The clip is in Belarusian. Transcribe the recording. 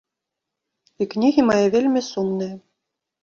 І кнігі мае вельмі сумныя.